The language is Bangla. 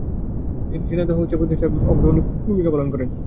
ঝিনাইদহ মহকুমার তৎকালীন SDO M K Anwar college প্রতিষ্ঠায় অগ্রণী ভূমিকা রাখেন।